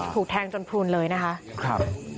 ถูกแทงจนพูนเลยนะคะ